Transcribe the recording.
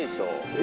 え？